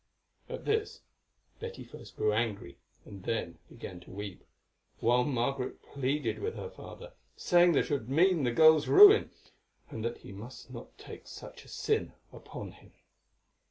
At this Betty first grew angry, then began to weep; while Margaret pleaded with her father, saying that it would mean the girl's ruin, and that he must not take such a sin upon him.